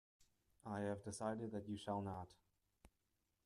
I have decided that you shall not.